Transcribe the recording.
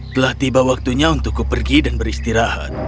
telah tiba waktunya untukku pergi dan beristirahat